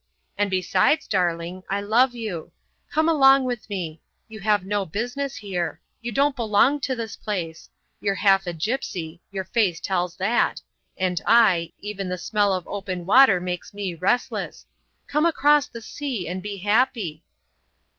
And besides, darling, I love you. Come along with me. You have no business here; you don't belong to this place; you're half a gipsy,—your face tells that; and I—even the smell of open water makes me restless. Come across the sea and be happy!"